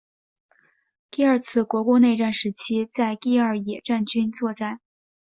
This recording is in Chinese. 第二次国共内战时期在第二野战军作战。